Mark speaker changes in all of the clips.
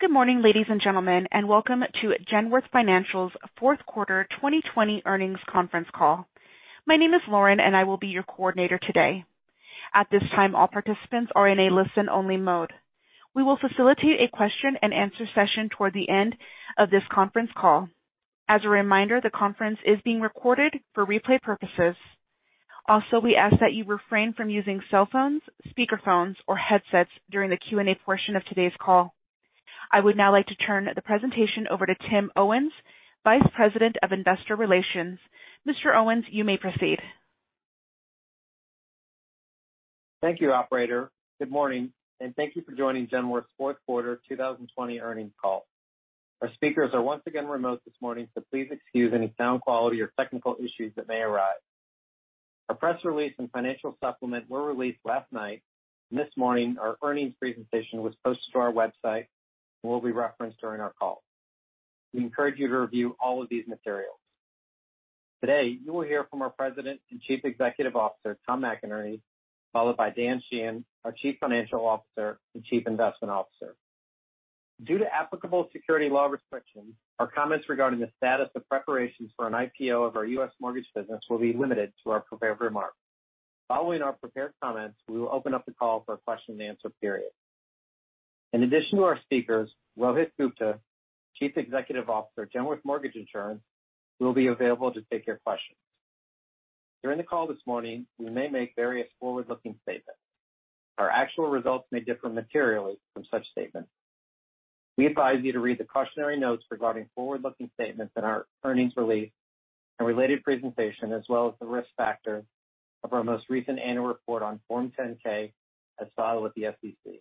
Speaker 1: Good morning, ladies and gentlemen, and welcome to Genworth Financial's Fourth Quarter 2020 Earnings Conference Call. My name is Lauren, and I will be your coordinator today. At this time, all participants are in a listen-only mode. We will facilitate a question-and-answer session toward the end of this conference call. As a reminder, the conference is being recorded for replay purposes. Also, we ask that you refrain from using cell phones, speakerphones, or headsets during the Q&A portion of today's call. I would now like to turn the presentation over to Tim Owens, Vice President of Investor Relations. Mr. Owens, you may proceed.
Speaker 2: Thank you, operator. Good morning, and thank you for joining Genworth's Fourth Quarter 2020 Earnings Call. Our speakers are once again remote this morning, please excuse any sound quality or technical issues that may arise. Our press release and financial supplement were released last night, this morning our earnings presentation was posted to our website and will be referenced during our call. We encourage you to review all of these materials. Today, you will hear from our President and Chief Executive Officer, Tom McInerney, followed by Dan Sheehan, our Chief Financial Officer and Chief Investment Officer. Due to applicable security law restrictions, our comments regarding the status of preparations for an IPO of our U.S. Mortgage Insurance will be limited to our prepared remarks. Following our prepared comments, we will open up the call for a question-and-answer period. In addition to our speakers, Rohit Gupta, Chief Executive Officer, Genworth Mortgage Insurance, will be available to take your questions. During the call this morning, we may make various forward-looking statements. Our actual results may differ materially from such statements. We advise you to read the cautionary notes regarding forward-looking statements in our earnings release and related presentation, as well as the risk factors of our most recent annual report on Form 10-K, as filed with the SEC.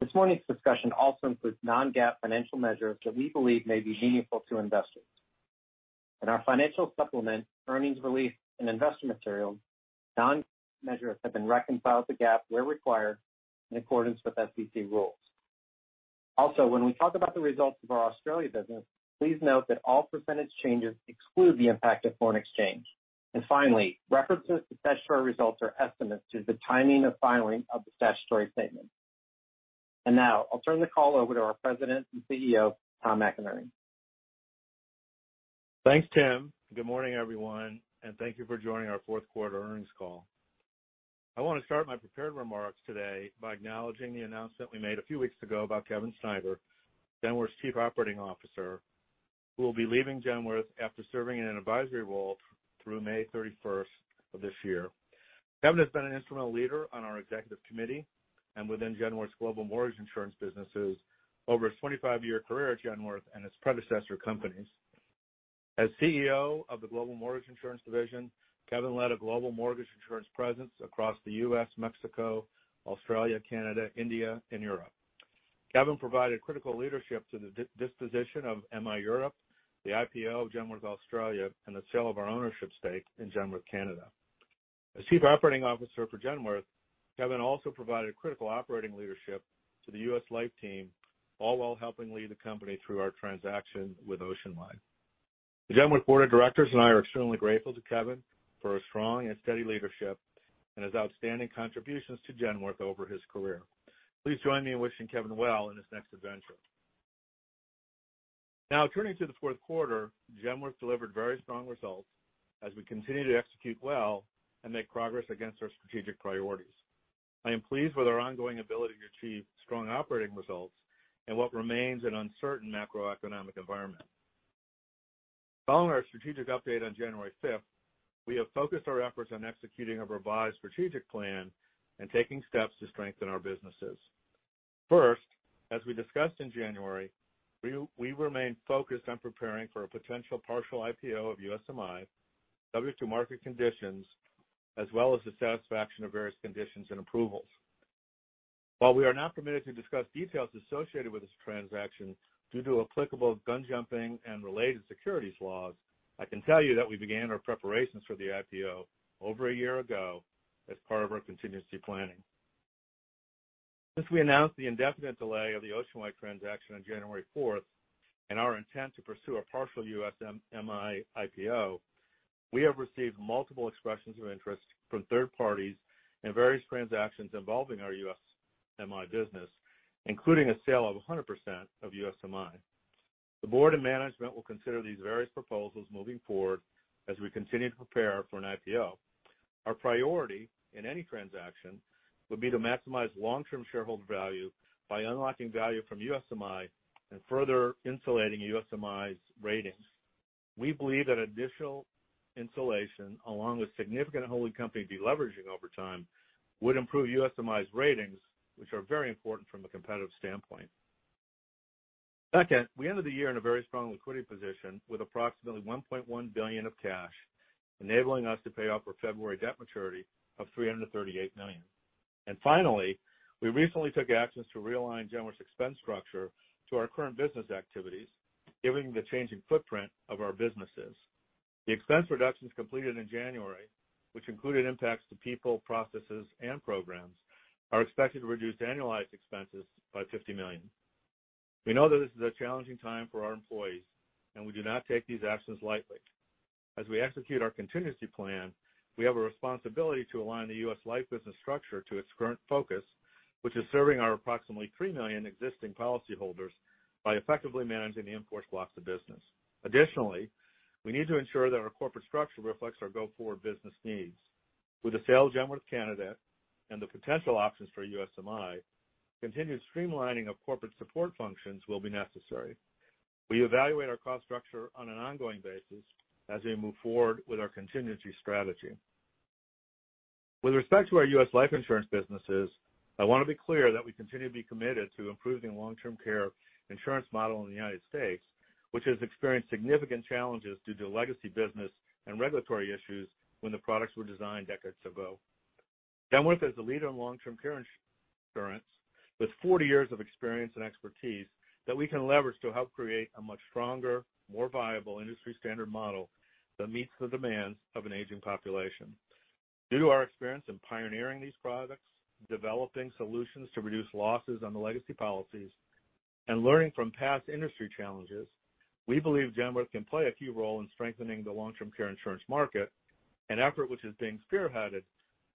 Speaker 2: This morning's discussion also includes non-GAAP financial measures that we believe may be meaningful to investors. In our financial supplement, earnings release, and investor material, non-GAAP measures have been reconciled to GAAP where required in accordance with SEC rules. Also, when we talk about the results of our Australia business, please note that all percentage changes exclude the impact of foreign exchange. Finally, references to statutory results are estimates to the timing of filing of the statutory statement. Now I'll turn the call over to our President and CEO, Tom McInerney.
Speaker 3: Thanks, Tim. Good morning, everyone, and thank you for joining our fourth quarter earnings call. I want to start my prepared remarks today by acknowledging the announcement we made a few weeks ago about Kevin Schneider, Genworth's Chief Operating Officer, who will be leaving Genworth after serving in an advisory role through May 31 of this year. Kevin has been an instrumental leader on our executive committee and within Genworth's global mortgage insurance businesses over his 25-year career at Genworth and its predecessor companies. As CEO of the Global Mortgage Insurance Division, Kevin led a global mortgage insurance presence across the U.S., Mexico, Australia, Canada, India, and Europe. Kevin provided critical leadership to the disposition of MI Europe, the IPO of Genworth Australia, and the sale of our ownership stake in Genworth Canada. As Chief Operating Officer for Genworth, Kevin also provided critical operating leadership to the U.S. Life team, all while helping lead the company through our transaction with Oceanwide. The Genworth Board of Directors and I are extremely grateful to Kevin for his strong and steady leadership and his outstanding contributions to Genworth over his career. Please join me in wishing Kevin well in his next adventure. Now, turning to the fourth quarter, Genworth delivered very strong results as we continue to execute well and make progress against our strategic priorities. I am pleased with our ongoing ability to achieve strong operating results in what remains an uncertain macroeconomic environment. Following our strategic update on January 5th, we have focused our efforts on executing a revised strategic plan and taking steps to strengthen our businesses. As we discussed in January, we remain focused on preparing for a potential partial IPO of USMI, subject to market conditions as well as the satisfaction of various conditions and approvals. While we are not permitted to discuss details associated with this transaction due to applicable gun-jumping and related securities laws, I can tell you that we began our preparations for the IPO over a year ago as part of our contingency planning. Since we announced the indefinite delay of the Oceanwide transaction on January 4th and our intent to pursue a partial USMI IPO, we have received multiple expressions of interest from third parties in various transactions involving our USMI business, including a sale of 100% of USMI. The board and management will consider these various proposals moving forward as we continue to prepare for an IPO. Our priority in any transaction would be to maximize long-term shareholder value by unlocking value from USMI and further insulating USMI's ratings. We believe that additional insulation, along with significant holding company de-leveraging over time, would improve USMI's ratings, which are very important from a competitive standpoint. We ended the year in a very strong liquidity position with approximately $1.1 billion of cash, enabling us to pay off our February debt maturity of $338 million. Finally, we recently took actions to realign Genworth's expense structure to our current business activities, given the changing footprint of our businesses. The expense reductions completed in January, which included impacts to people, processes, and programs, are expected to reduce annualized expenses by $50 million. We know that this is a challenging time for our employees, and we do not take these actions lightly. As we execute our contingency plan, we have a responsibility to align the U.S. Life Business structure to its current focus, which is serving our approximately 3 million existing policyholders by effectively managing the in-force blocks of business. Additionally, we need to ensure that our corporate structure reflects our go-forward business needs. With the sale of Genworth Canada and the potential options for USMI, continued streamlining of corporate support functions will be necessary. We evaluate our cost structure on an ongoing basis as we move forward with our contingency strategy. With respect to our U.S. Life Insurance businesses, I want to be clear that we continue to be committed to improving long-term care insurance model in the United States, which has experienced significant challenges due to legacy business and regulatory issues when the products were designed decades ago. Genworth is a leader in long-term care insurance with 40 years of experience and expertise that we can leverage to help create a much stronger, more viable industry standard model that meets the demands of an aging population. Due to our experience in pioneering these products, developing solutions to reduce losses on the legacy policies, and learning from past industry challenges, we believe Genworth can play a key role in strengthening the long-term care insurance market, an effort which is being spearheaded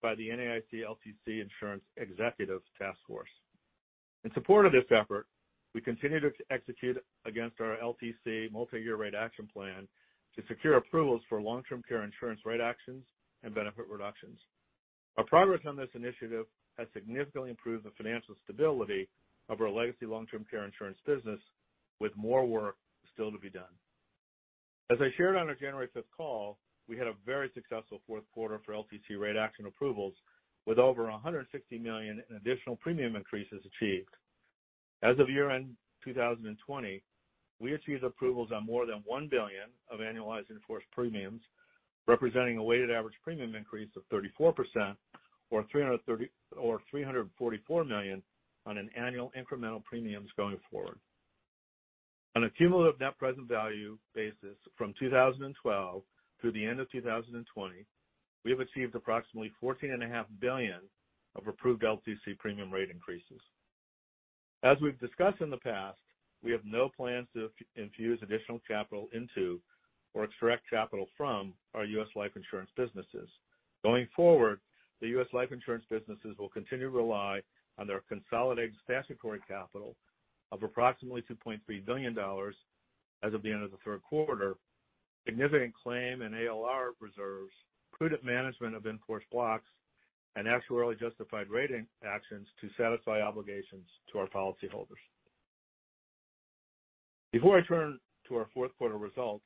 Speaker 3: by the NAIC LTC Insurance Executive Task Force. In support of this effort, we continue to execute against our LTC multi-year rate action plan to secure approvals for long-term care insurance rate actions and benefit reductions. Our progress on this initiative has significantly improved the financial stability of our legacy long-term care insurance business with more work still to be done. As I shared on our January 5th call, we had a very successful fourth quarter for LTC rate action approvals with over $160 million in additional premium increases achieved. As of year-end 2020, we achieved approvals on more than $1 billion of annualized in-force premiums, representing a weighted average premium increase of 34%, or $344 million on an annual incremental premiums going forward. On a cumulative net present value basis from 2012 through the end of 2020, we have achieved approximately $14.5 billion of approved LTC premium rate increases. As we've discussed in the past, we have no plans to infuse additional capital into or extract capital from our U.S. Life Insurance businesses. Life Insurance businesses will continue to rely on their consolidated statutory capital of approximately $2.3 billion as of the end of the third quarter, significant claim and ALR reserves, prudent management of in-force blocks, and actuarially justified rating actions to satisfy obligations to our policyholders. Before I turn to our fourth quarter results,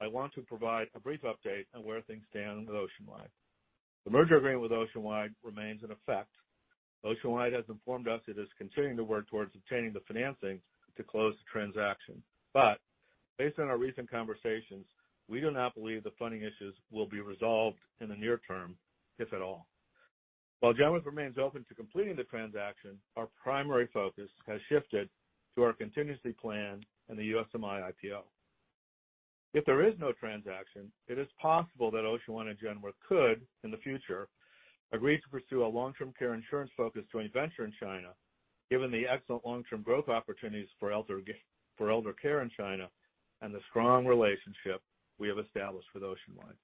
Speaker 3: I want to provide a brief update on where things stand with Oceanwide. The merger agreement with Oceanwide remains in effect. Oceanwide has informed us it is continuing to work towards obtaining the financing to close the transaction. Based on our recent conversations, we do not believe the funding issues will be resolved in the near term, if at all. While Genworth remains open to completing the transaction, our primary focus has shifted to our contingency plan and the USMI IPO. If there is no transaction, it is possible that Oceanwide and Genworth could, in the future, agree to pursue a long-term care insurance-focused joint venture in China, given the excellent long-term growth opportunities for elder care in China and the strong relationship we have established with Oceanwide.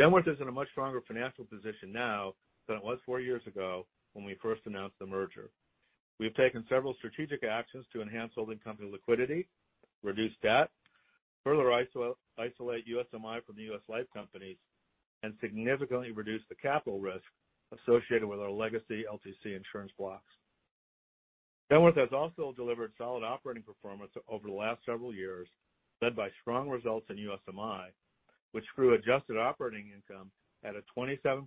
Speaker 3: Genworth is in a much stronger financial position now than it was four years ago when we first announced the merger. We have taken several strategic actions to enhance holding company liquidity, reduce debt, further isolate USMI from the U.S. Life companies, and significantly reduce the capital risk associated with our legacy LTC insurance blocks. Genworth has also delivered solid operating performance over the last several years, led by strong results in USMI, which grew adjusted operating income at a 27%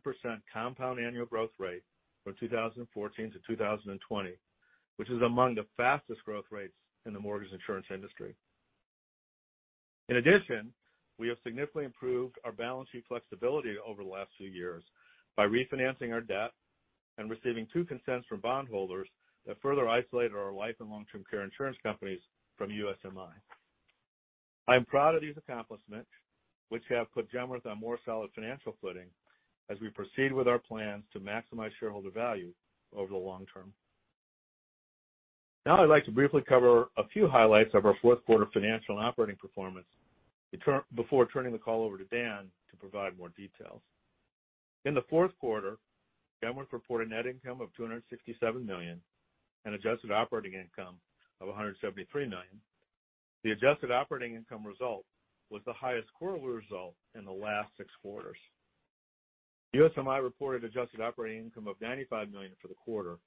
Speaker 3: compound annual growth rate from 2014-2020, which is among the fastest growth rates in the mortgage insurance industry. In addition, we have significantly improved our balance sheet flexibility over the last few years by refinancing our debt and receiving two consents from bondholders that further isolated our Life and long-term care insurance companies from USMI. I am proud of these accomplishments, which have put Genworth on more solid financial footing as we proceed with our plans to maximize shareholder value over the long term. I'd like to briefly cover a few highlights of our fourth quarter financial and operating performance before turning the call over to Dan to provide more details. In the fourth quarter, Genworth reported net income of $267 million and adjusted operating income of $173 million. The adjusted operating income result was the highest quarterly result in the last six quarters. USMI reported adjusted operating income of $95 million for the quarter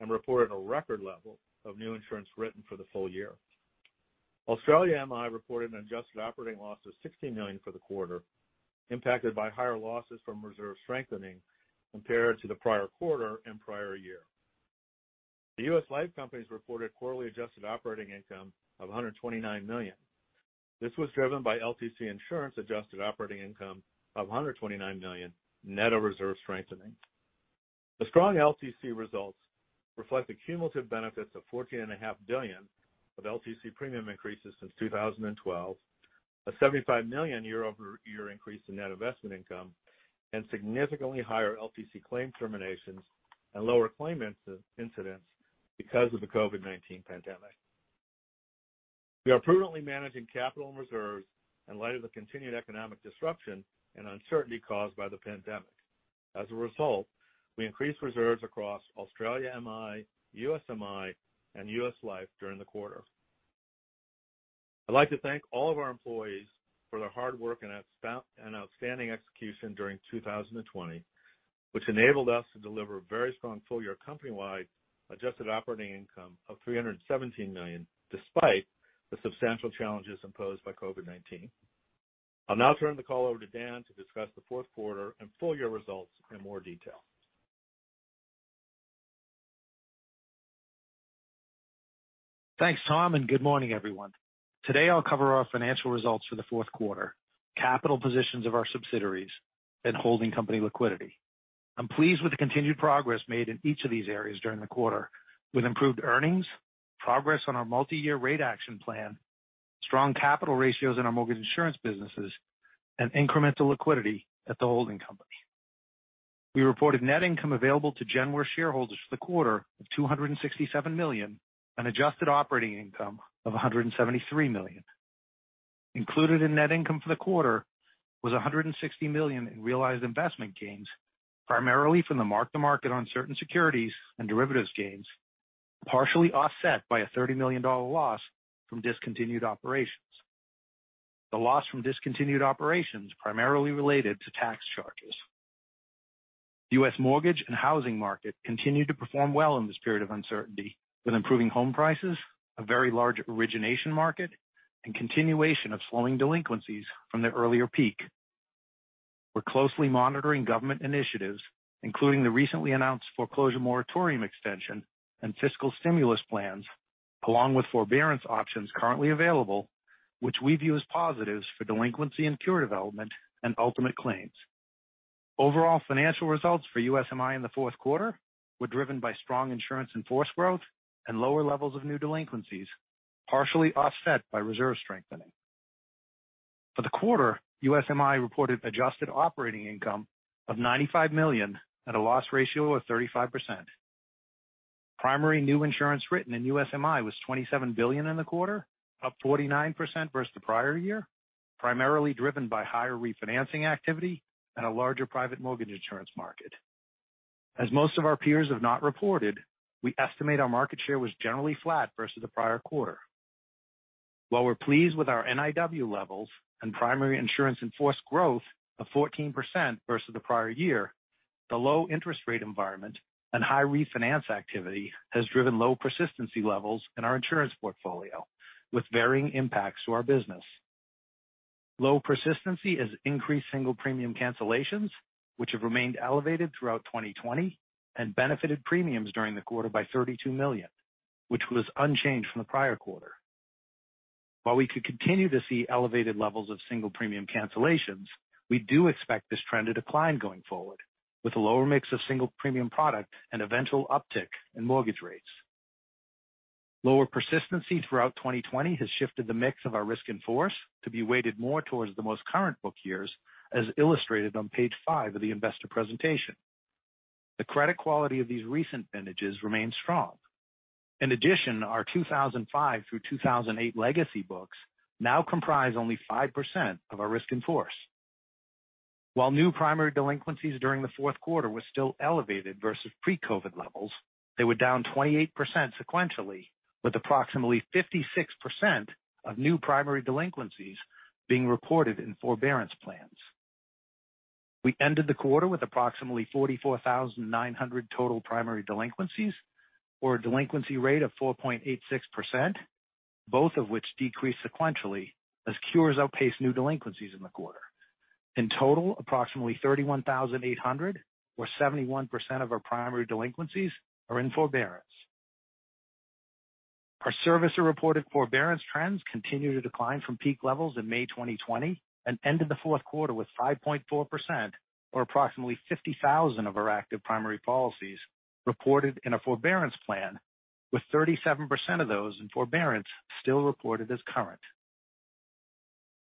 Speaker 3: and reported a record level of new insurance written for the full year. Australia MI reported an adjusted operating loss of $16 million for the quarter, impacted by higher losses from reserve strengthening compared to the prior quarter and prior year. The U.S. Life companies reported quarterly adjusted operating income of $129 million. This was driven by LTC Insurance adjusted operating income of $129 million net of reserve strengthening. The strong LTC results reflect the cumulative benefits of $14.5 billion of LTC premium increases since 2012, a $75 million year-over-year increase in net investment income and significantly higher LTC claim terminations and lower claim incidents because of the COVID-19 pandemic. We are prudently managing capital and reserves in light of the continued economic disruption and uncertainty caused by the pandemic. As a result, we increased reserves across Australia MI, U.S. MI, and U.S. Life during the quarter. I'd like to thank all of our employees for their hard work and outstanding execution during 2020, which enabled us to deliver a very strong full-year company-wide adjusted operating income of $317 million, despite the substantial challenges imposed by COVID-19. I'll now turn the call over to Dan to discuss the fourth quarter and full year results in more detail.
Speaker 4: Thanks, Tom. Good morning, everyone. Today I'll cover our financial results for the fourth quarter, capital positions of our subsidiaries, and holding company liquidity. I'm pleased with the continued progress made in each of these areas during the quarter with improved earnings, progress on our multi-year rate action plan, strong capital ratios in our mortgage insurance businesses, and incremental liquidity at the holding company. We reported net income available to Genworth shareholders for the quarter of $267 million and adjusted operating income of $173 million. Included in net income for the quarter was $160 million in realized investment gains, primarily from the mark-to-market on certain securities and derivatives gains, partially offset by a $30 million loss from discontinued operations. The loss from discontinued operations primarily related to tax charges. The U.S. mortgage and housing market continued to perform well in this period of uncertainty, with improving home prices, a very large origination market, and continuation of slowing delinquencies from their earlier peak. We're closely monitoring government initiatives, including the recently announced foreclosure moratorium extension and fiscal stimulus plans, along with forbearance options currently available, which we view as positives for delinquency and cure development and ultimate claims. Overall financial results for U.S. MI in the fourth quarter were driven by strong insurance-in-force growth and lower levels of new delinquencies, partially offset by reserve strengthening. For the quarter, U.S. MI reported adjusted operating income of $95 million at a loss ratio of 35%. Primary new insurance written in U.S. MI was $27 billion in the quarter, up 49% versus the prior year, primarily driven by higher refinancing activity and a larger private mortgage insurance market. As most of our peers have not reported, we estimate our market share was generally flat versus the prior quarter. While we're pleased with our NIW levels and primary insurance-in-force growth of 14% versus the prior year, the low interest rate environment and high refinance activity has driven low persistency levels in our insurance portfolio with varying impacts to our business. Low persistency has increased single premium cancellations, which have remained elevated throughout 2020 and benefited premiums during the quarter by $32 million, which was unchanged from the prior quarter. While we could continue to see elevated levels of single premium cancellations, we do expect this trend to decline going forward with a lower mix of single premium product and eventual uptick in mortgage rates. Lower persistency throughout 2020 has shifted the mix of our Risk In Force to be weighted more towards the most current book years, as illustrated on page five of the investor presentation. The credit quality of these recent vintages remains strong. In addition, our 2005 through 2008 legacy books now comprise only 5% of our Risk In Force. While new primary delinquencies during the fourth quarter were still elevated versus pre-COVID levels, they were down 28% sequentially, with approximately 56% of new primary delinquencies being reported in forbearance plans. We ended the quarter with approximately 44,900 total primary delinquencies, or a delinquency rate of 4.86%, both of which decreased sequentially as cures outpaced new delinquencies in the quarter. In total, approximately 31,800 or 71% of our primary delinquencies are in forbearance. Our servicer-reported forbearance trends continue to decline from peak levels in May 2020 and ended the fourth quarter with 5.4%, or approximately 50,000 of our active primary policies reported in a forbearance plan with 37% of those in forbearance still reported as current.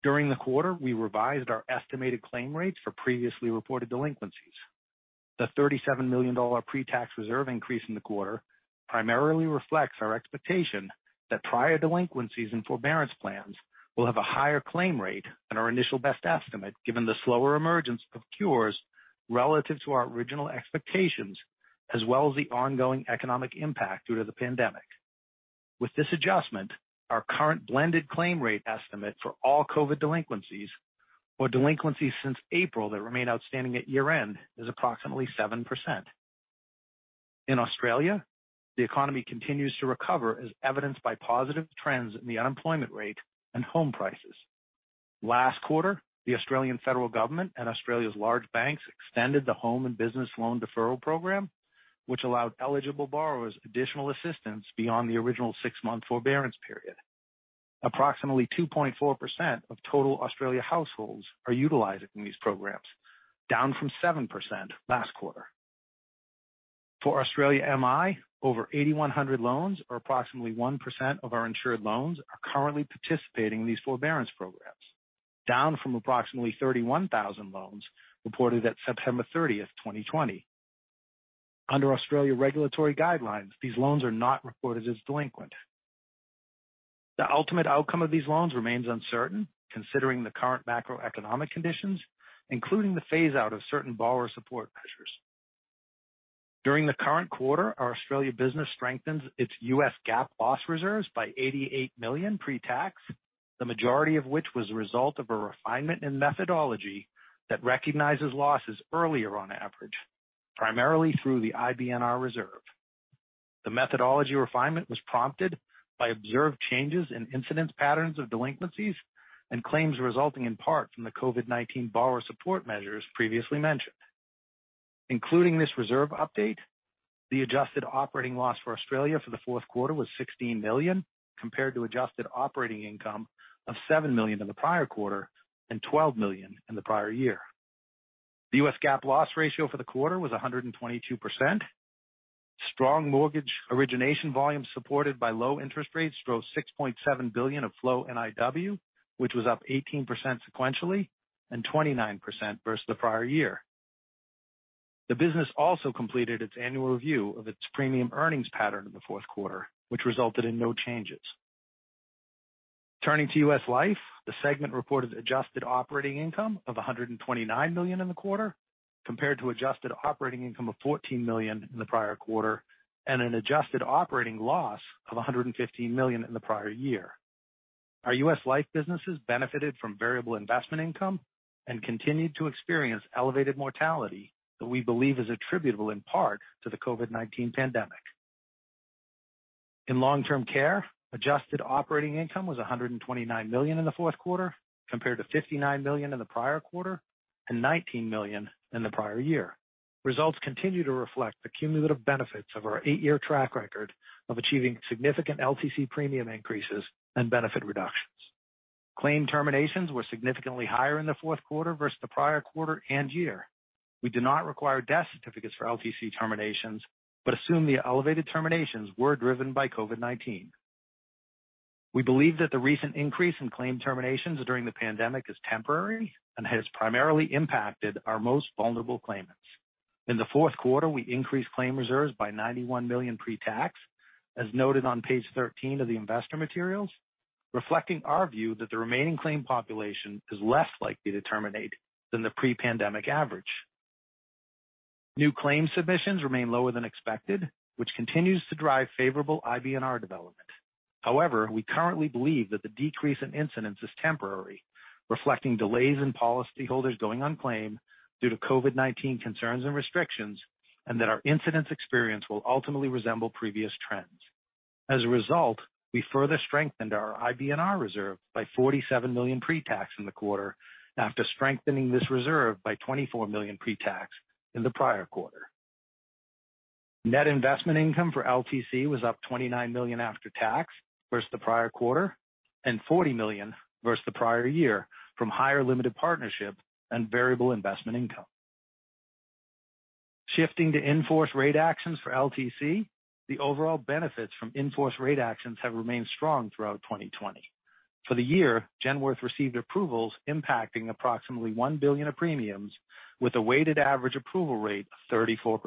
Speaker 4: During the quarter, we revised our estimated claim rates for previously reported delinquencies. The $37 million pre-tax reserve increase in the quarter primarily reflects our expectation that prior delinquencies and forbearance plans will have a higher claim rate than our initial best estimate, given the slower emergence of cures relative to our original expectations, as well as the ongoing economic impact due to the pandemic. With this adjustment, our current blended claim rate estimate for all COVID delinquencies or delinquencies since April that remain outstanding at year-end is approximately 7%. In Australia, the economy continues to recover as evidenced by positive trends in the unemployment rate and home prices. Last quarter, the Australian Federal Government and Australia's large banks extended the Home and Business Loan Deferral program, which allowed eligible borrowers additional assistance beyond the original six-month forbearance period. Approximately 2.4% of total Australia households are utilizing these programs, down from 7% last quarter. For Australia MI, over 8,100 loans or approximately 1% of our insured loans are currently participating in these forbearance programs, down from approximately 31,000 loans reported at September 30th, 2020. Under Australia regulatory guidelines, these loans are not reported as delinquent. The ultimate outcome of these loans remains uncertain considering the current macroeconomic conditions, including the phase-out of certain borrower support measures. During the current quarter, our Australia business strengthened its U.S. GAAP loss reserves by $88 million pre-tax, the majority of which was a result of a refinement in methodology that recognizes losses earlier on average, primarily through the IBNR reserve. The methodology refinement was prompted by observed changes in incidence patterns of delinquencies and claims resulting in part from the COVID-19 borrower support measures previously mentioned. Including this reserve update, the adjusted operating loss for Australia for the fourth quarter was $16 million, compared to adjusted operating income of $7 million in the prior quarter and $12 million in the prior year. The U.S. GAAP loss ratio for the quarter was 122%. Strong mortgage origination volumes supported by low interest rates drove 6.7 billion of flow NIW, which was up 18% sequentially and 29% versus the prior year. The business also completed its annual review of its premium earnings pattern in the fourth quarter, which resulted in no changes. Turning to U.S. Life, the segment reported adjusted operating income of $129 million in the quarter, compared to adjusted operating income of $14 million in the prior quarter and an adjusted operating loss of $115 million in the prior year. Our U.S. Life businesses benefited from variable investment income and continued to experience elevated mortality that we believe is attributable in part to the COVID-19 pandemic. In Long-Term Care, adjusted operating income was $129 million in the fourth quarter, compared to $59 million in the prior quarter and $19 million in the prior year. Results continue to reflect the cumulative benefits of our eight-year track record of achieving significant LTC premium increases and benefit reductions. Claim terminations were significantly higher in the fourth quarter versus the prior quarter and year. We do not require death certificates for LTC terminations but assume the elevated terminations were driven by COVID-19. We believe that the recent increase in claim terminations during the pandemic is temporary and has primarily impacted our most vulnerable claimants. In the fourth quarter, we increased claim reserves by $91 million pre-tax, as noted on page 13 of the investor materials, reflecting our view that the remaining claim population is less likely to terminate than the pre-pandemic average. New claim submissions remain lower than expected, which continues to drive favorable IBNR development. We currently believe that the decrease in incidence is temporary, reflecting delays in policyholders going on claim due to COVID-19 concerns and restrictions, and that our incidence experience will ultimately resemble previous trends. As a result, we further strengthened our IBNR reserve by $47 million pre-tax in the quarter after strengthening this reserve by $24 million pre-tax in the prior quarter. Net investment income for LTC was up $29 million after tax versus the prior quarter and $40 million versus the prior year from higher limited partnership and variable investment income. Shifting to in-force rate actions for LTC, the overall benefits from in-force rate actions have remained strong throughout 2020. For the year, Genworth received approvals impacting approximately $1 billion of premiums with a weighted average approval rate of 34%.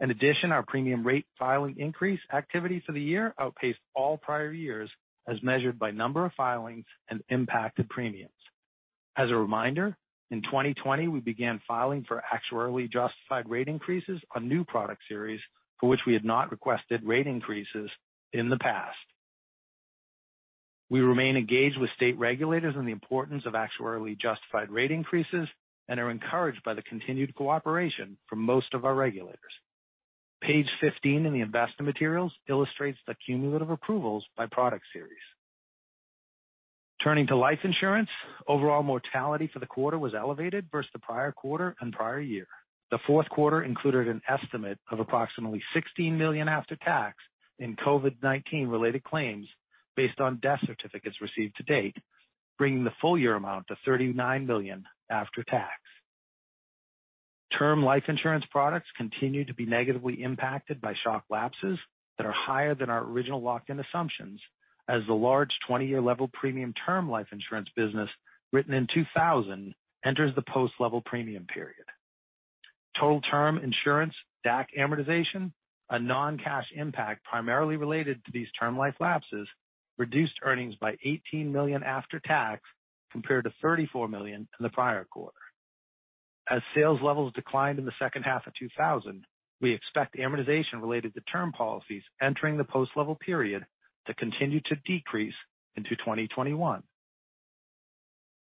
Speaker 4: In addition, our premium rate filing increase activity for the year outpaced all prior years as measured by number of filings and impacted premiums. As a reminder, in 2020, we began filing for actuarially justified rate increases on new product series for which we had not requested rate increases in the past. We remain engaged with state regulators on the importance of actuarially justified rate increases and are encouraged by the continued cooperation from most of our regulators. Page 15 in the investor materials illustrates the cumulative approvals by product series. Turning to life insurance, overall mortality for the quarter was elevated versus the prior quarter and prior year. The fourth quarter included an estimate of approximately $16 million after tax in COVID-19 related claims based on death certificates received to date, bringing the full-year amount to $39 million after tax. Term life insurance products continue to be negatively impacted by shock lapses that are higher than our original locked-in assumptions as the large 20-year level premium term life insurance business written in 2000 enters the post-level premium period. Total term insurance DAC amortization, a non-cash impact primarily related to these term life lapses, reduced earnings by $18 million after tax compared to $34 million in the prior quarter. As sales levels declined in the second half of 2000, we expect amortization related to term policies entering the post-level period to continue to decrease into 2021.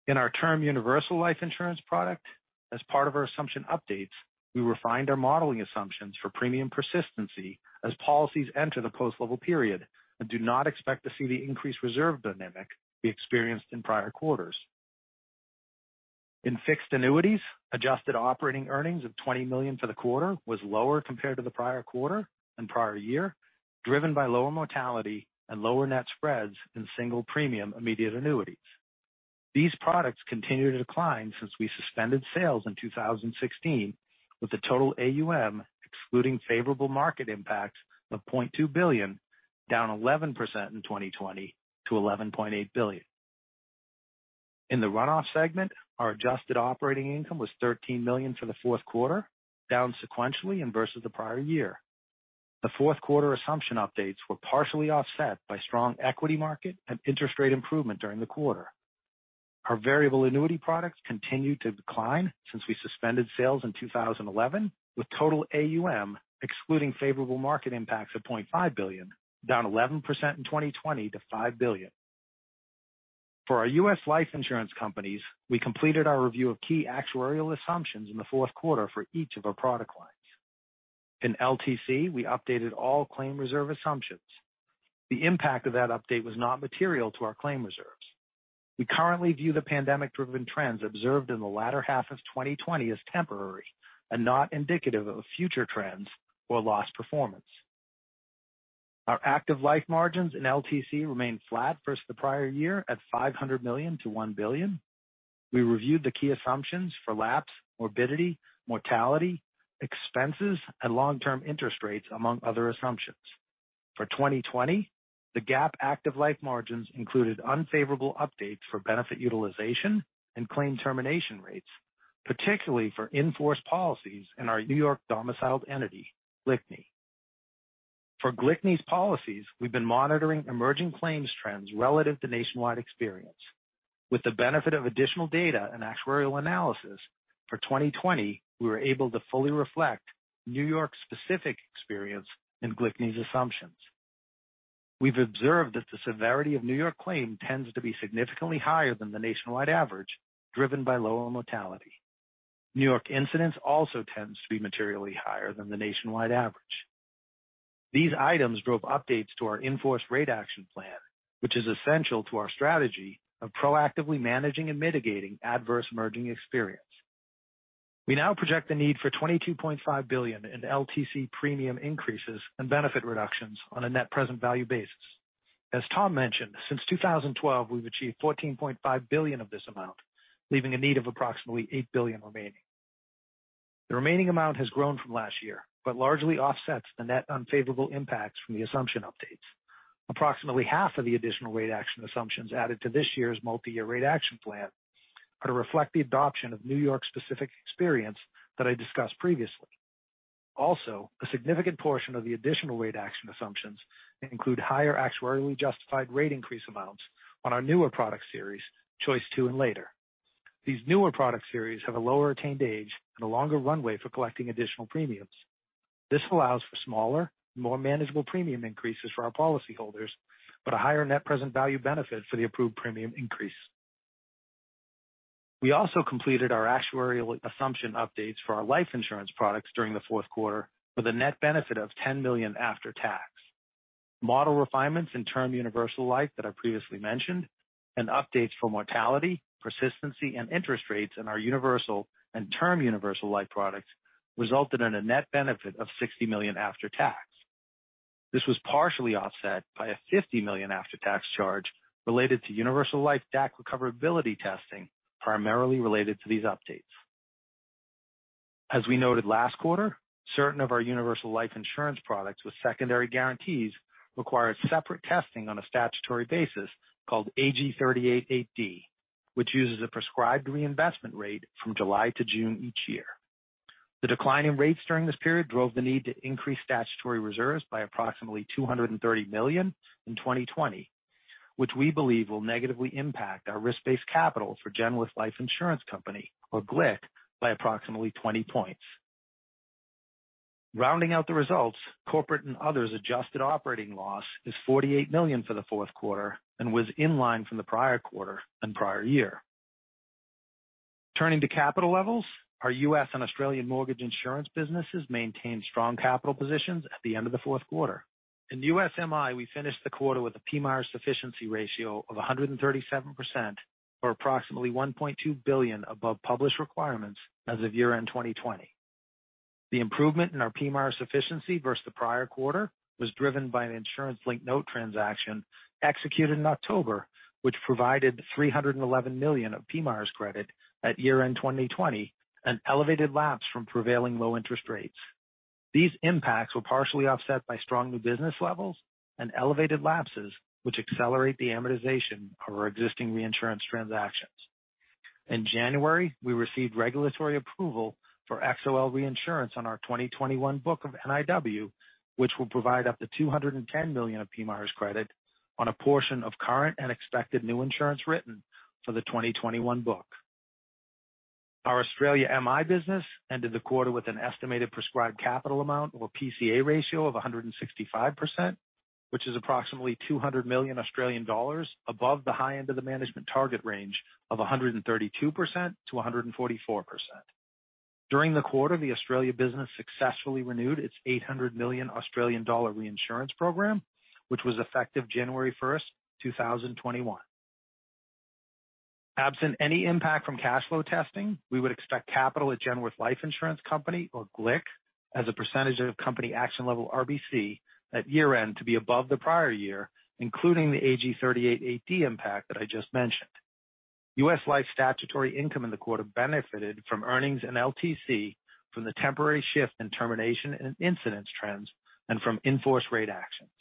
Speaker 4: In our term universal life insurance product, as part of our assumption updates, we refined our modeling assumptions for premium persistency as policies enter the post-level period and do not expect to see the increased reserve dynamic we experienced in prior quarters. In fixed annuities, adjusted operating earnings of $20 million for the quarter was lower compared to the prior quarter and prior year, driven by lower mortality and lower net spreads in single premium immediate annuities. These products continue to decline since we suspended sales in 2016, with the total AUM, excluding favorable market impacts of $0.2 billion, down 11% in 2020 to $11.8 billion. In the Run-off segment, our adjusted operating income was $13 million for the fourth quarter, down sequentially and versus the prior year. The fourth quarter assumption updates were partially offset by strong equity market and interest rate improvement during the quarter. Our variable annuity products continued to decline since we suspended sales in 2011, with total AUM, excluding favorable market impacts of $0.5 billion, down 11% in 2020 to $5 billion. For our U.S. life insurance companies, we completed our review of key actuarial assumptions in the fourth quarter for each of our product lines. In LTC, we updated all claim reserve assumptions. The impact of that update was not material to our claim reserves. We currently view the pandemic-driven trends observed in the latter half of 2020 as temporary and not indicative of future trends or loss performance. Our active life margins in LTC remained flat versus the prior year at $500 million-$1 billion. We reviewed the key assumptions for lapse, morbidity, mortality, expenses, and long-term interest rates, among other assumptions. For 2020, the GAAP active life margins included unfavorable updates for benefit utilization and claim termination rates, particularly for in-force policies in our New York domiciled entity, GLICNY. For GLICNY's policies, we've been monitoring emerging claims trends relative to nationwide experience. With the benefit of additional data and actuarial analysis, for 2020, we were able to fully reflect New York-specific experience in GLICNY's assumptions. We've observed that the severity of New York claim tends to be significantly higher than the nationwide average, driven by lower mortality. New York incidence also tends to be materially higher than the nationwide average. These items drove updates to our in-force rate action plan, which is essential to our strategy of proactively managing and mitigating adverse emerging experience. We now project the need for $22.5 billion in LTC premium increases and benefit reductions on a net present value basis. As Tom mentioned, since 2012, we've achieved $14.5 billion of this amount, leaving a need of approximately $8 billion remaining. The remaining amount has grown from last year, but largely offsets the net unfavorable impacts from the assumption updates. Approximately half of the additional rate action assumptions added to this year's multi-year rate action plan are to reflect the adoption of New York-specific experience that I discussed previously. Also, a significant portion of the additional rate action assumptions include higher actuarially justified rate increase amounts on our newer product series, Choice II and later. These newer product series have a lower attained age and a longer runway for collecting additional premiums. This allows for smaller, more manageable premium increases for our policyholders, but a higher net present value benefit for the approved premium increase. We also completed our actuarial assumption updates for our life insurance products during the fourth quarter with a net benefit of $10 million after tax. Model refinements in term universal life that I previously mentioned, and updates for mortality, persistency, and interest rates in our universal and term universal life products resulted in a net benefit of $60 million after tax. This was partially offset by a $50 million after-tax charge related to universal life DAC recoverability testing primarily related to these updates. As we noted last quarter, certain of our universal life insurance products with secondary guarantees require separate testing on a statutory basis called AG 38 8D, which uses a prescribed reinvestment rate from July-June each year. The decline in rates during this period drove the need to increase statutory reserves by approximately $230 million in 2020, which we believe will negatively impact our risk-based capital for Genworth Life Insurance Company, or GLIC, by approximately 20 points. Rounding out the results, Corporate and Others adjusted operating loss is $48 million for the fourth quarter and was in line from the prior quarter and prior year. Turning to capital levels, our U.S. and Australian mortgage insurance businesses maintained strong capital positions at the end of the fourth quarter. In U.S. MI, we finished the quarter with a PMIERs sufficiency ratio of 137%, or approximately $1.2 billion above published requirements as of year-end 2020. The improvement in our PMIERs sufficiency versus the prior quarter was driven by an insurance-linked note transaction executed in October, which provided $311 million of PMIERs' credit at year-end 2020 and elevated lapse from prevailing low interest rates. These impacts were partially offset by strong new business levels and elevated lapses, which accelerate the amortization of our existing reinsurance transactions. In January, we received regulatory approval for XOL reinsurance on our 2021 book of NIW, which will provide up to $210 million of PMIERs credit on a portion of current and expected new insurance written for the 2021 book. Our Australia MI business ended the quarter with an estimated prescribed capital amount or a PCA ratio of 165%, which is approximately 200 million Australian dollars above the high end of the management target range of 132%-144%. During the quarter, the Australia business successfully renewed its 800 million Australian dollar reinsurance program, which was effective January 1st, 2021. Absent any impact from cash flow testing, we would expect capital at Genworth Life Insurance Company or GLIC as a percentage of company action level RBC at year-end to be above the prior year, including the AG 38 8D impact that I just mentioned. U.S. Life statutory income in the quarter benefited from earnings in LTC from the temporary shift in termination and incidence trends and from in-force rate actions.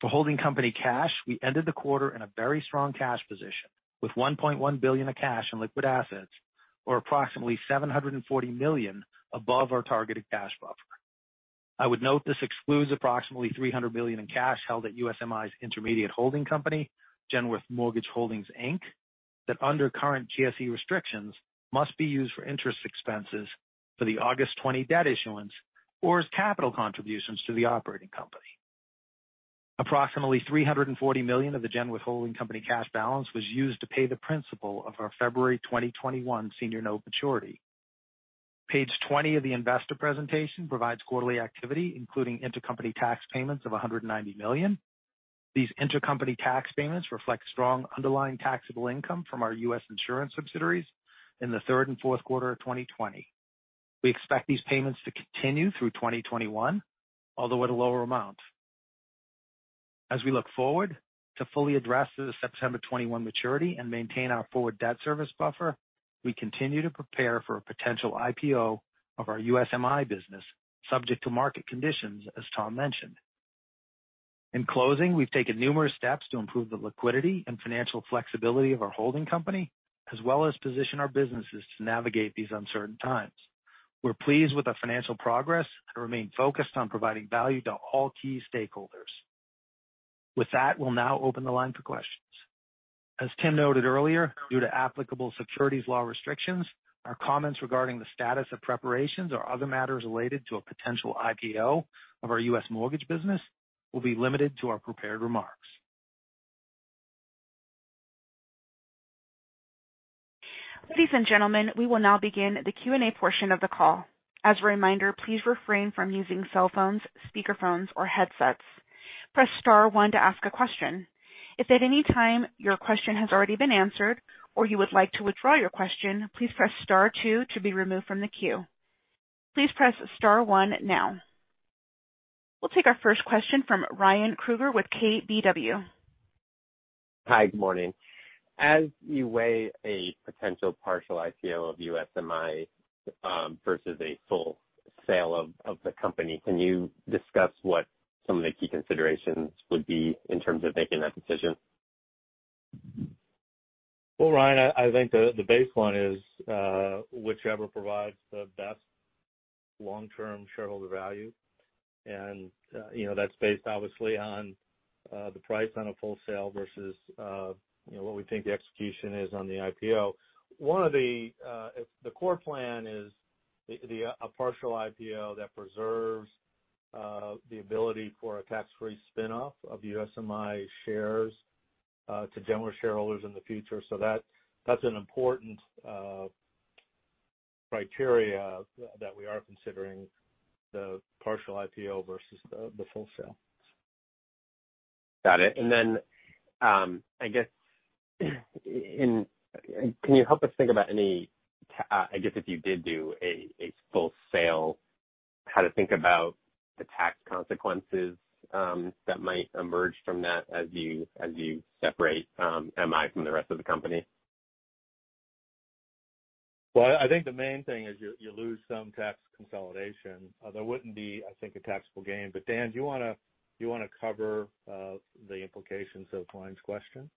Speaker 4: For holding company cash, we ended the quarter in a very strong cash position with $1.1 billion of cash and liquid assets or approximately $740 million above our targeted cash buffer. I would note this excludes approximately $300 million in cash held at U.S. MI's intermediate holding company, Genworth Mortgage Holdings, Inc., that under current GSE restrictions, must be used for interest expenses for the August 2020 debt issuance or as capital contributions to the operating company. Approximately $340 million of the Genworth Holding Company cash balance was used to pay the principal of our February 2021 senior note maturity. Page 20 of the investor presentation provides quarterly activity, including intercompany tax payments of $190 million. These intercompany tax payments reflect strong underlying taxable income from our U.S. insurance subsidiaries in the third and fourth quarter of 2020. We expect these payments to continue through 2021, although at a lower amount. As we look forward to fully address the September 2021 maturity and maintain our forward debt service buffer, we continue to prepare for a potential IPO of our USMI business, subject to market conditions, as Tom mentioned. In closing, we've taken numerous steps to improve the liquidity and financial flexibility of our holding company, as well as position our businesses to navigate these uncertain times. We're pleased with our financial progress and remain focused on providing value to all key stakeholders. With that, we'll now open the line for questions. As Tim noted earlier, due to applicable securities law restrictions, our comments regarding the status of preparations or other matters related to a potential IPO of our U.S. mortgage business will be limited to our prepared remarks.
Speaker 1: Listen gentlemen, we will now begin the Q&A portion of the call. As a reminder, please refrain from using cellphones, speaker phones, or headsets. Press star one to ask a question. If there's anytime, your questions has already been answer or you want would like to withdraw your question, please press star two to be remove from the queue. Please press star one now. We'll take our first question from Ryan Krueger with KBW.
Speaker 5: Hi, good morning. As you weigh a potential partial IPO of USMI, versus a full sale of the company, can you discuss what some of the key considerations would be in terms of making that decision?
Speaker 3: Well, Ryan, I think the base one is whichever provides the best long-term shareholder value. That's based obviously on the price on a full sale versus what we think the execution is on the IPO. The core plan is a partial IPO that preserves the ability for a tax-free spin-off of USMI shares to Genworth shareholders in the future. That's an important criteria that we are considering the partial IPO versus the full sale.
Speaker 5: Got it. I guess can you help us think about any, I guess if you did do a full sale, how to think about the tax consequences that might emerge from that as you separate MI from the rest of the company?
Speaker 3: Well, I think the main thing is you lose some tax consolidation. There wouldn't be, I think, a taxable gain. Dan, do you want to cover the implications of Ryan's question?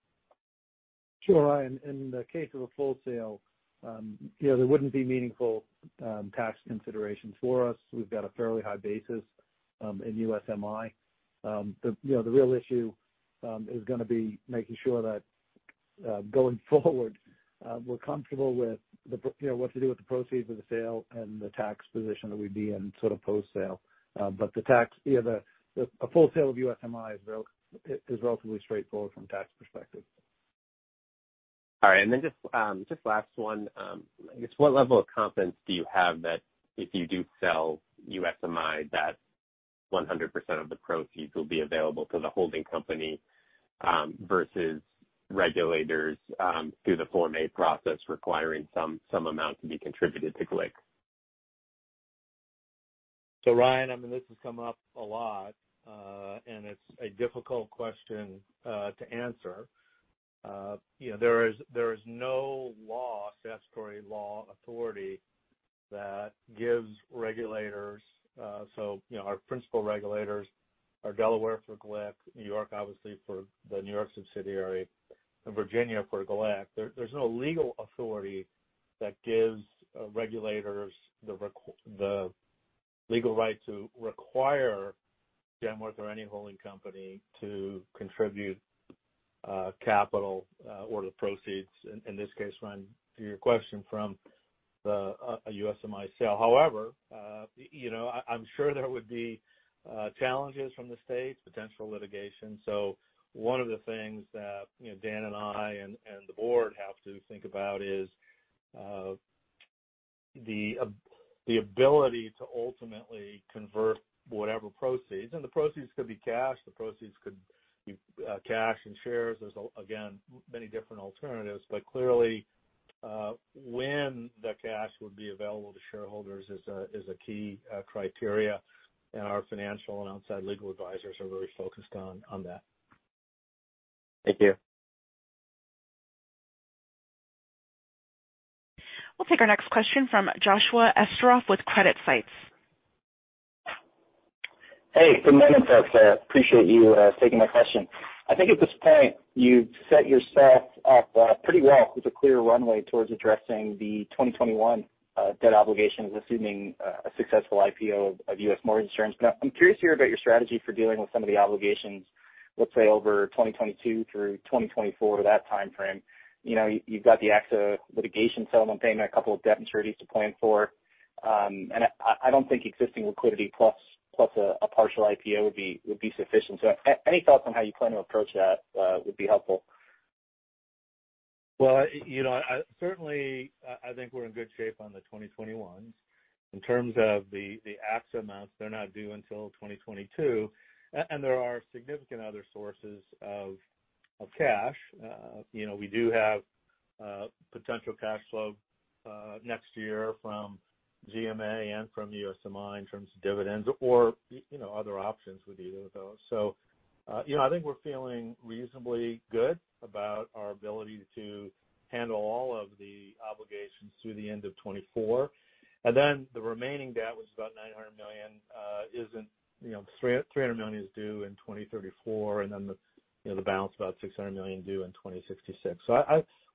Speaker 4: Sure, Ryan. In the case of a full sale, there wouldn't be meaningful tax consideration for us. We've got a fairly high basis in USMI. The real issue is going to be making sure that going forward, we're comfortable with what to do with the proceeds of the sale and the tax position that we'd be in sort of post-sale. A full sale of USMI is relatively straightforward from a tax perspective.
Speaker 5: All right. Just last one. I guess what level of confidence do you have that if you do sell USMI, that 100% of the proceeds will be available to the holding company versus regulators through the Form A process requiring some amount to be contributed to GLIC?
Speaker 3: Ryan, this has come up a lot, and it's a difficult question to answer. There is no statutory law authority that gives regulators, so our principal regulators are Delaware for GLIC, New York obviously for the New York subsidiary, and Virginia for GLIC. There's no legal authority that gives regulators the legal right to require Genworth or any holding company to contribute capital or the proceeds, in this case, Ryan, to your question from a USMI sale. However, I'm sure there would be challenges from the states, potential litigation. One of the things that Dan and I and the board have to think about is the ability to ultimately convert whatever proceeds, and the proceeds could be cash, the proceeds could be cash and shares. There's again, many different alternatives, clearly, when the cash would be available to shareholders is a key criteria and our financial and outside legal advisors are very focused on that.
Speaker 5: Thank you.
Speaker 1: We'll take our next question from Joshua Esterov with CreditSights.
Speaker 6: Hey, good morning folks. Appreciate you taking my question. I think at this point, you've set yourself up pretty well with a clear runway towards addressing the 2021 debt obligations, assuming a successful IPO of U.S. Mortgage Insurance. I'm curious to hear about your strategy for dealing with some of the obligations, let's say over 2022 through 2024, that timeframe. You've got the AXA litigation settlement payment, a couple of debt maturities to plan for. I don't think existing liquidity plus a partial IPO would be sufficient. Any thoughts on how you plan to approach that would be helpful.
Speaker 3: Well, certainly, I think we're in good shape on the 2021s. In terms of the AXA amounts, they're not due until 2022. There are significant other sources of cash. We do have potential cash flow next year from GMA and from USMI in terms of dividends or other options with either of those. I think we're feeling reasonably good about our ability to handle all of the obligations through the end of 2024. The remaining debt, which is about $900 million, $300 million is due in 2034, and then the balance, about $600 million, due in 2066.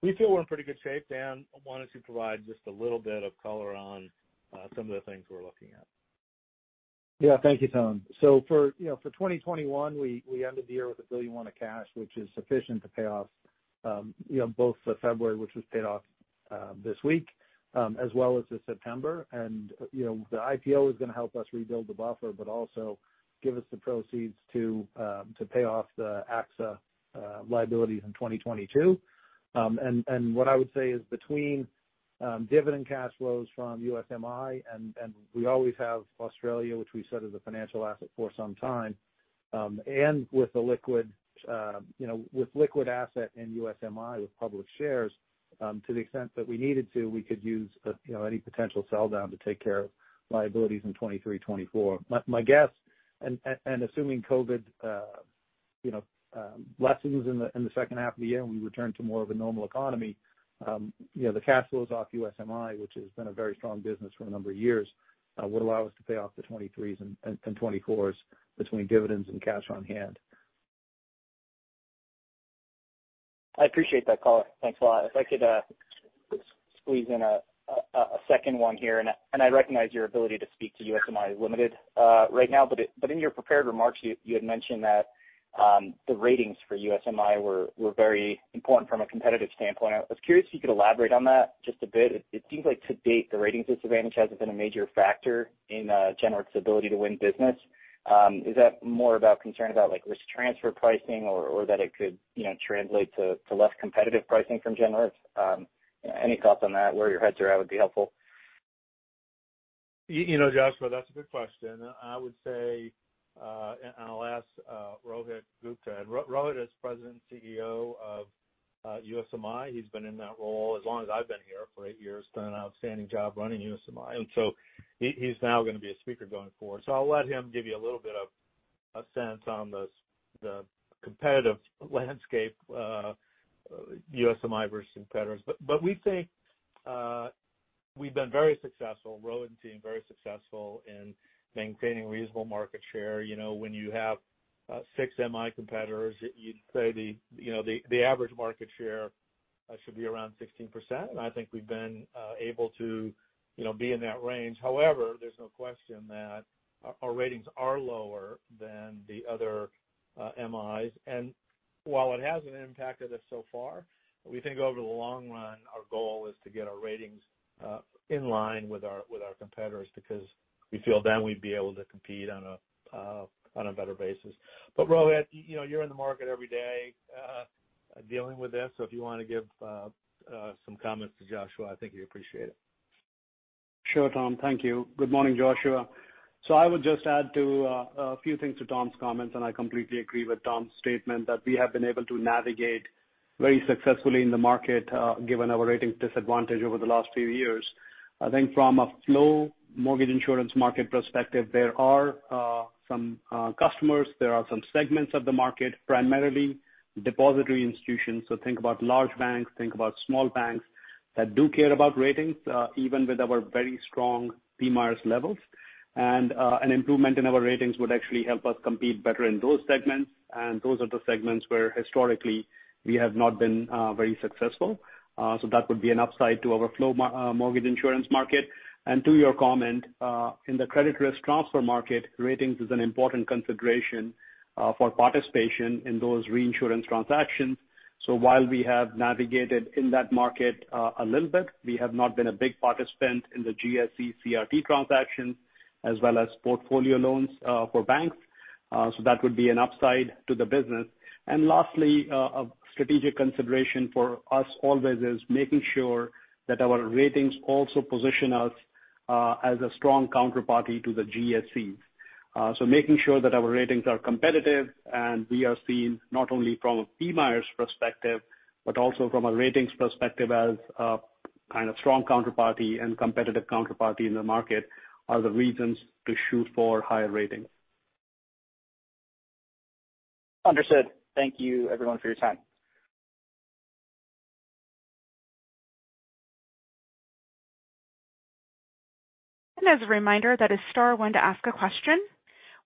Speaker 3: We feel we're in pretty good shape. Dan, I wanted to provide just a little bit of color on some of the things we're looking at.
Speaker 4: Thank you, Tom. For 2021, we ended the year with $1.1 billion of cash, which is sufficient to pay off both the February, which was paid off this week, as well as the September. The IPO is going to help us rebuild the buffer, but also give us the proceeds to pay off the AXA liabilities in 2022. What I would say is between dividend cash flows from USMI and we always have Australia, which we said is a financial asset for some time, and with liquid asset in USMI with public shares, to the extent that we needed to, we could use any potential sell down to take care of liabilities in 2023, 2024. My guess, assuming COVID lessens in the second half of the year and we return to more of a normal economy, the cash flows off USMI, which has been a very strong business for a number of years, would allow us to pay off the 2023s and 2024s between dividends and cash on hand.
Speaker 6: I appreciate that color. Thanks a lot. If I could squeeze in a second one here, I recognize your ability to speak to USMI is limited right now, but in your prepared remarks, you had mentioned that the ratings for USMI were very important from a competitive standpoint. I was curious if you could elaborate on that just a bit. It seems like to date, the ratings disadvantage hasn't been a major factor in Genworth's ability to win business. Is that more about concerns about risk transfer pricing or that it could translate to less competitive pricing from Genworth? Any thoughts on that, where your heads are at would be helpful.
Speaker 3: Joshua, that's a good question. I would say, I'll ask Rohit Gupta. Rohit is President and CEO of USMI. He's been in that role as long as I've been here, for eight years, done an outstanding job running USMI. He's now going to be a speaker going forward. I'll let him give you a little bit of a sense on the competitive landscape, USMI versus competitors. We think we've been very successful, Rohit and team, very successful in maintaining reasonable market share. When you have six MI competitors, you'd say the average market share should be around 16%, and I think we've been able to be in that range. However, there's no question that our ratings are lower than the other MIs. While it hasn't impacted us so far, we think over the long run, our goal is to get our ratings in line with our competitors because we feel then we'd be able to compete on a better basis. Rohit, you're in the market every day dealing with this, so if you want to give some comments to Joshua, I think he'd appreciate it.
Speaker 7: Sure, Tom. Thank you. Good morning, Joshua. I would just add a few things to Tom's comments, and I completely agree with Tom's statement that we have been able to navigate very successfully in the market given our ratings disadvantage over the last few years. I think from a flow mortgage insurance market perspective, there are some customers, there are some segments of the market, primarily depository institutions. Think about large banks, think about small banks that do care about ratings, even with our very strong PMI levels. An improvement in our ratings would actually help us compete better in those segments. Those are the segments where historically we have not been very successful. That would be an upside to our flow mortgage insurance market. To your comment, in the credit risk transfer market, ratings is an important consideration for participation in those reinsurance transactions. While we have navigated in that market a little bit, we have not been a big participant in the GSE CRT transactions as well as portfolio loans for banks. That would be an upside to the business. Lastly, a strategic consideration for us always is making sure that our ratings also position us as a strong counterparty to the GSEs. Making sure that our ratings are competitive and we are seen not only from a PMIERs perspective, but also from a ratings perspective as a kind of strong counterparty and competitive counterparty in the market are the reasons to shoot for higher ratings.
Speaker 6: Understood. Thank you everyone for your time.
Speaker 1: As a reminder, that is star one to ask a question.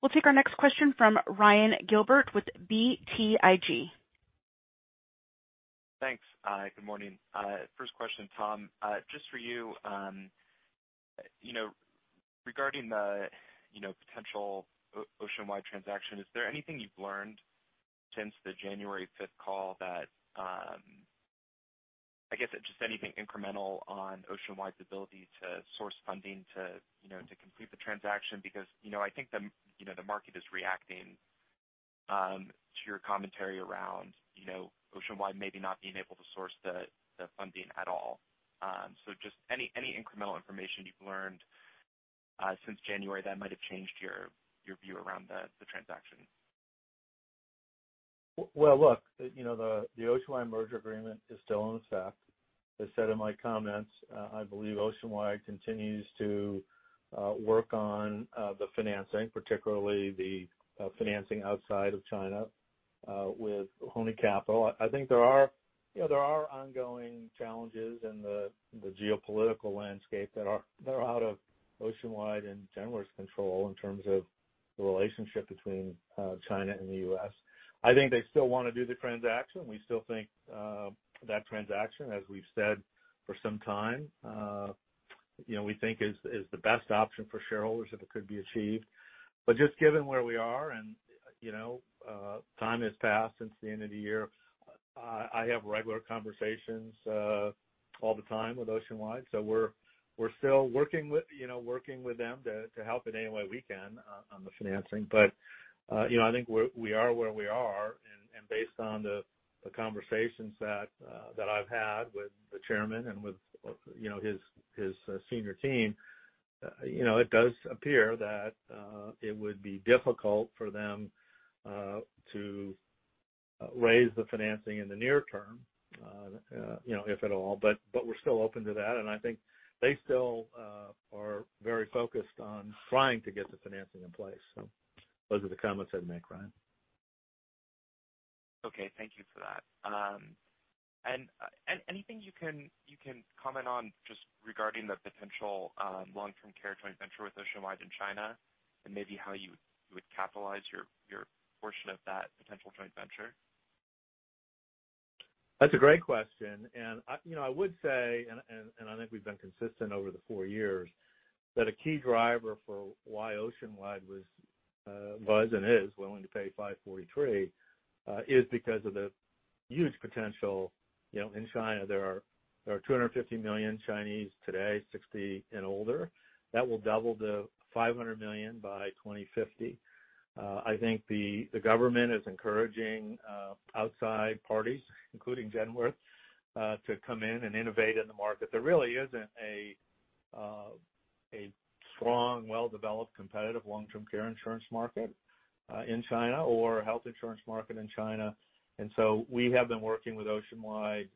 Speaker 1: We'll take our next question from Ryan Gilbert with BTIG.
Speaker 8: Thanks. Good morning. First question, Tom, just for you. Regarding the potential Oceanwide transaction, is there anything you've learned since the January fifth call that, just anything incremental on Oceanwide's ability to source funding to complete the transaction? I think the market is reacting to your commentary around Oceanwide maybe not being able to source the funding at all. Just any incremental information you've learned since January that might have changed your view around the transaction?
Speaker 3: Well, look, the Oceanwide merger agreement is still in effect. As said in my comments, I believe Oceanwide continues to work on the financing, particularly the financing outside of China with Hony Capital. I think there are ongoing challenges in the geopolitical landscape that are out of Oceanwide and Genworth's control in terms of the relationship between China and the U.S. I think they still want to do the transaction. We still think that transaction, as we've said for some time, we think is the best option for shareholders if it could be achieved. Just given where we are, and time has passed since the end of the year, I have regular conversations all the time with Oceanwide. We're still working with them to help in any way we can on the financing. I think we are where we are, and based on the conversations that I've had with the chairman and with his senior team, it does appear that it would be difficult for them to raise the financing in the near term, if at all. We're still open to that, and I think they still are very focused on trying to get the financing in place. Those are the comments I'd make, Ryan.
Speaker 8: Okay. Thank you for that. Anything you can comment on just regarding the potential long-term care joint venture with Oceanwide in China, and maybe how you would capitalize your portion of that potential joint venture?
Speaker 3: That's a great question. I would say, and I think we've been consistent over the four years, that a key driver for why Oceanwide was and is willing to pay $5.43, is because of the huge potential in China. There are 250 million Chinese today, 60 and older. That will double to 500 million by 2050. I think the government is encouraging outside parties, including Genworth, to come in and innovate in the market. There really isn't a strong, well-developed, competitive long-term care insurance market in China or a health insurance market in China. We have been working with Oceanwide,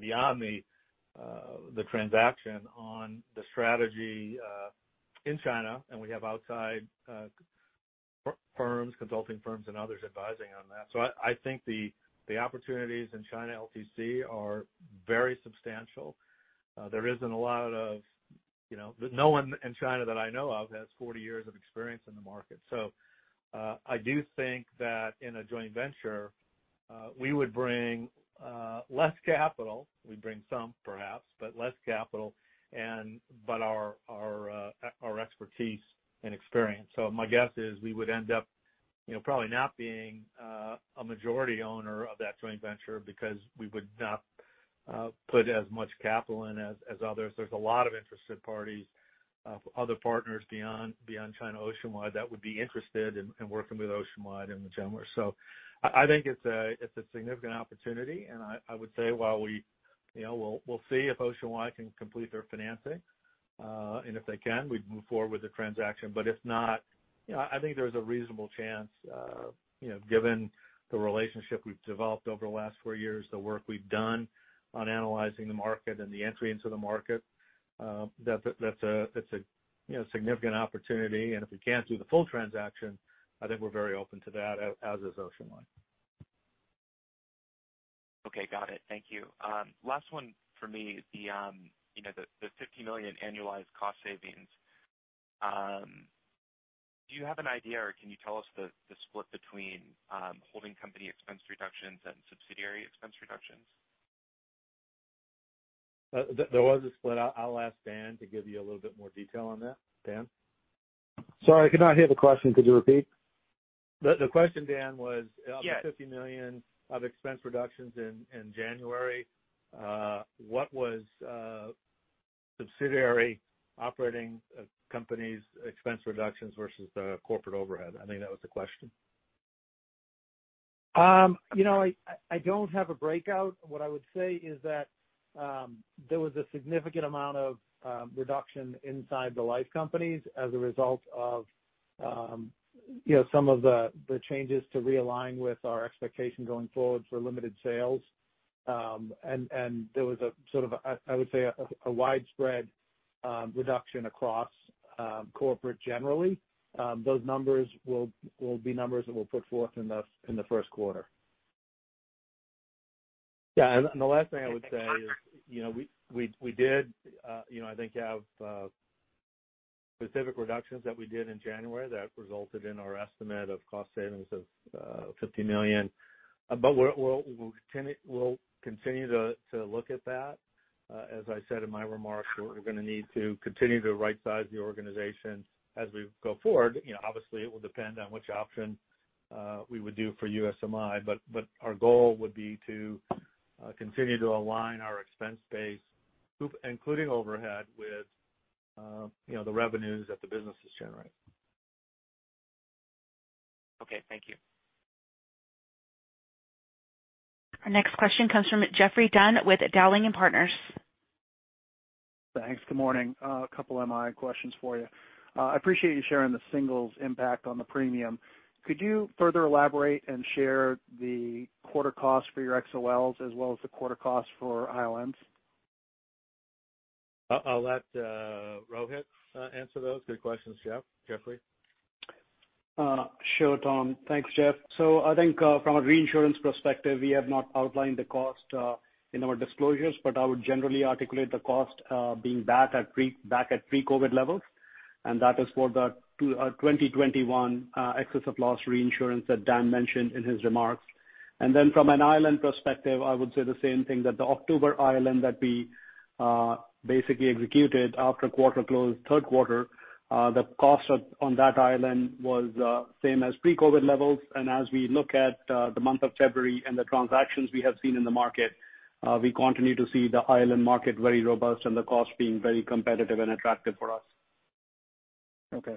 Speaker 3: beyond the transaction, on the strategy in China, and we have outside consulting firms and others advising on that. I think the opportunities in China LTC are very substantial. No one in China that I know of has 40 years of experience in the market. I do think that in a joint venture, we would bring less capital. We'd bring some, perhaps, but less capital, but our expertise and experience. My guess is we would end up probably not being a majority owner of that joint venture because we would not put as much capital in as others. There's a lot of interested parties, other partners beyond China Oceanwide, that would be interested in working with Oceanwide and with Genworth. I think it's a significant opportunity, and I would say while we'll see if Oceanwide can complete their financing. If they can, we'd move forward with the transaction. If not, I think there's a reasonable chance, given the relationship we've developed over the last four years, the work we've done on analyzing the market and the entry into the market, that's a significant opportunity. If we can't do the full transaction, I think we're very open to that, as is Oceanwide.
Speaker 8: Okay. Got it. Thank you. Last one for me. The $50 million annualized cost savings. Do you have an idea or can you tell us the split between holding company expense reductions and subsidiary expense reductions?
Speaker 3: There was a split. I'll ask Dan to give you a little bit more detail on that. Dan?
Speaker 4: Sorry, I could not hear the question. Could you repeat?
Speaker 3: The question, Dan, was.
Speaker 4: Yes
Speaker 3: of the $50 million of expense reductions in January. What was subsidiary operating companies expense reductions versus the corporate overhead? I think that was the question.
Speaker 4: I don't have a breakout. What I would say is that there was a significant amount of reduction inside the life companies as a result of some of the changes to realign with our expectation going forward for limited sales. There was, I would say, a widespread reduction across corporate generally. Those numbers will be numbers that we'll put forth in the first quarter.
Speaker 3: The last thing I would say is, we did I think have specific reductions that we did in January that resulted in our estimate of cost savings of $50 million. We'll continue to look at that. As I said in my remarks, we're going to need to continue to right-size the organization as we go forward. Obviously, it will depend on which option we would do for USMI, but our goal would be to continue to align our expense base, including overhead, with the revenues that the businesses generate.
Speaker 8: Okay. Thank you.
Speaker 1: Our next question comes from Geoffrey Dunn with Dowling & Partners.
Speaker 9: Thanks. Good morning. A couple of MI questions for you. I appreciate you sharing the singles impact on the premium. Could you further elaborate and share the quarter cost for your XOLs as well as the quarter cost for ILNs?
Speaker 3: I'll let Rohit answer those. Good questions, Jeff. Geoffrey.
Speaker 7: Sure, Tom. Thanks, Jeff. I think from a reinsurance perspective, we have not outlined the cost in our disclosures, but I would generally articulate the cost being back at pre-COVID levels, and that is for the 2021 excess of loss reinsurance that Dan mentioned in his remarks. From an ILN perspective, I would say the same thing, that the October ILN that we basically executed after quarter close, third quarter, the cost on that ILN was same as pre-COVID levels. As we look at the month of February and the transactions we have seen in the market, we continue to see the ILN market very robust and the cost being very competitive and attractive for us.
Speaker 9: Okay.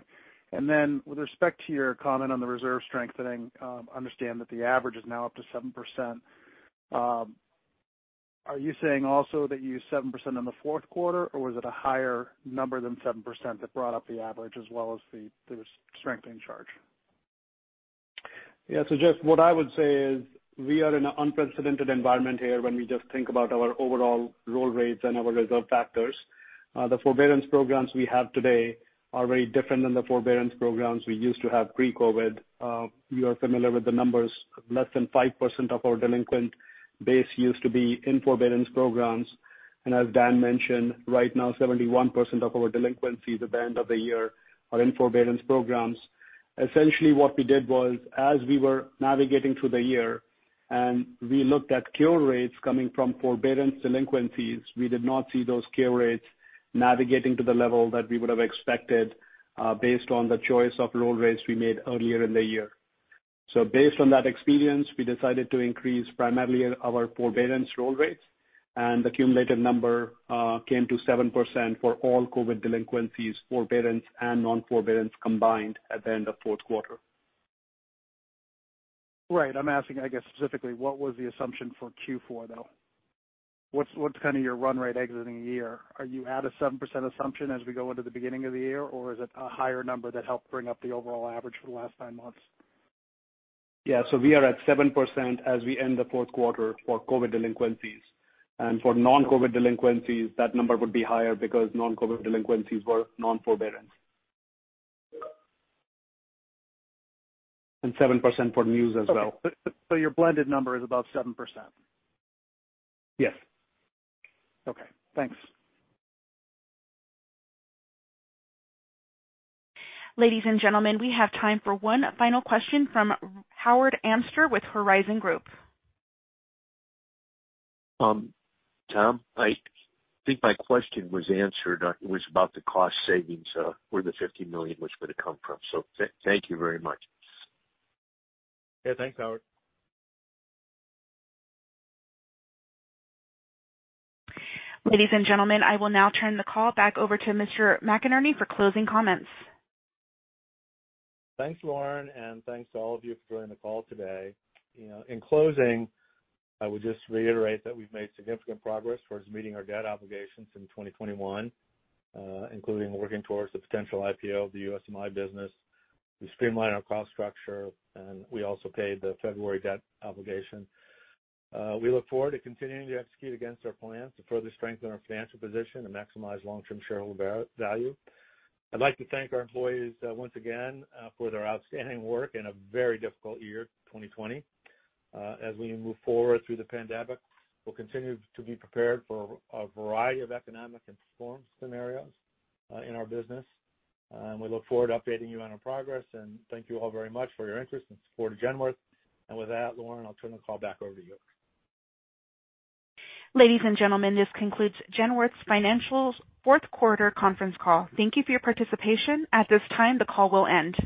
Speaker 9: With respect to your comment on the reserve strengthening, I understand that the average is now up to 7%. Are you saying also that you used 7% in the fourth quarter, or was it a higher number than 7% that brought up the average as well as the strengthening charge?
Speaker 7: Yeah. Jeff, what I would say is we are in an unprecedented environment here when we just think about our overall roll rates and our reserve factors. The forbearance programs we have today are very different than the forbearance programs we used to have pre-COVID. You are familiar with the numbers. Less than 5% of our delinquent base used to be in forbearance programs. As Dan mentioned, right now, 71% of our delinquencies at the end of the year are in forbearance programs. Essentially, what we did was, as we were navigating through the year and we looked at cure rates coming from forbearance delinquencies, we did not see those cure rates navigating to the level that we would have expected based on the choice of roll rates we made earlier in the year. Based on that experience, we decided to increase primarily our forbearance roll rates, and the cumulative number came to 7% for all COVID delinquencies, forbearance and non-forbearance combined at the end of fourth quarter.
Speaker 9: Right. I'm asking, I guess, specifically, what was the assumption for Q4, though? What's kind of your run rate exiting the year? Are you at a 7% assumption as we go into the beginning of the year, or is it a higher number that helped bring up the overall average for the last nine months?
Speaker 7: Yeah. We are at 7% as we end the fourth quarter for COVID delinquencies. For non-COVID delinquencies, that number would be higher because non-COVID delinquencies were non-forbearance. 7% for MIs as well.
Speaker 9: Okay. Your blended number is above 7%?
Speaker 7: Yes.
Speaker 9: Okay, thanks.
Speaker 1: Ladies and gentlemen, we have time for one final question from Howard Amster with Horizon Group.
Speaker 10: Tom, I think my question was answered. It was about the cost savings, where the $50 million was going to come from. Thank you very much.
Speaker 3: Yeah, thanks, Howard.
Speaker 1: Ladies and gentlemen, I will now turn the call back over to Mr. McInerney for closing comments.
Speaker 3: Thanks, Lauren, thanks to all of you for joining the call today. In closing, I would just reiterate that we've made significant progress towards meeting our debt obligations in 2021, including working towards the potential IPO of the USMI business. We streamlined our cost structure, and we also paid the February debt obligation. We look forward to continuing to execute against our plans to further strengthen our financial position and maximize long-term shareholder value. I'd like to thank our employees once again for their outstanding work in a very difficult year, 2020. As we move forward through the pandemic, we'll continue to be prepared for a variety of economic and form scenarios in our business. We look forward to updating you on our progress, and thank you all very much for your interest and support of Genworth. With that, Lauren, I'll turn the call back over to you.
Speaker 1: Ladies and gentlemen, this concludes Genworth's Financial Fourth Quarter Conference Call. Thank you for your participation. At this time, the call will end.